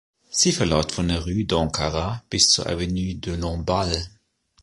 Sie verläuft von der Rue d’Ankara bis zur Avenue de Lamballe.